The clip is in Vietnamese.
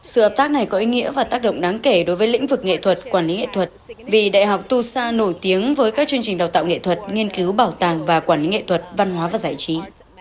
sự hợp tác này có ý nghĩa và tác động đáng kể đối với lĩnh vực nghệ thuật quản lý nghệ thuật vì đại học tucson nổi tiếng với các chương trình đào tạo nghệ thuật nghiên cứu bảo tàng và quản lý nghệ thuật văn hóa và giải trí